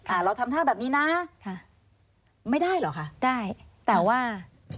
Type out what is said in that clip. เราทำท่าแบบนี้นะค่ะไม่ได้เหรอคะได้แต่ว่า